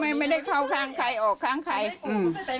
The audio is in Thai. ไม่ไม่ได้เข้าข้างใครอ๋อข้างใคร